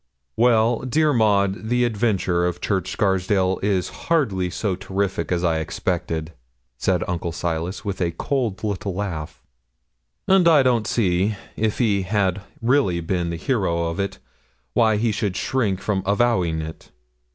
'Well, dear Maud, the adventure of Church Scarsdale is hardly so terrific as I expected,' said Uncle Silas with a cold little laugh; 'and I don't see, if he had really been the hero of it, why he should shrink from avowing it.